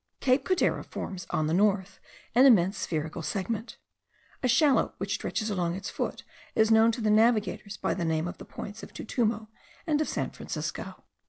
Cape Codera forms on the north an immense spherical segment. A shallow which stretches along its foot is known to navigators by the name of the points of Tutumo and of San Francisco.